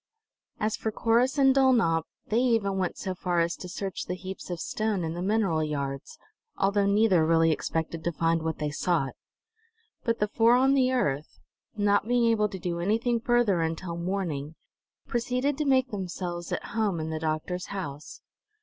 As for Corrus and Dulnop, they even went so far as to search the heaps of stone in the mineral yards, although neither really expected to find what they sought. But the four on the earth, not being able to do anything further until morning, proceeded to make themselves at home in the doctor's house.